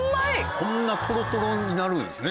こんなトロトロになるんですね